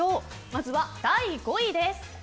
まずは第５位です。